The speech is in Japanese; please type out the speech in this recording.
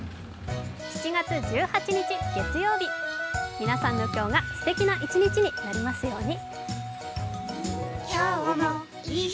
７月１８日月曜日、皆さんの今日がすてきな一日になりますように。